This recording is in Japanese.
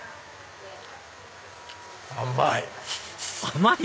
甘い。